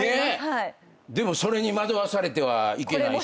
でもそれに惑わされてはいけないし。